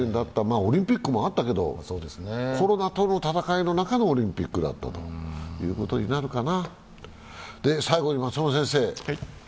オリンピックもあったけどコロナとの闘いの中のオリンピックということになるかな。